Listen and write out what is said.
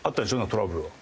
トラブルが。